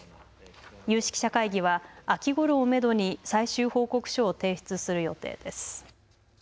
有識者会議は秋ごろをめどに最終報告書を提出する予定です。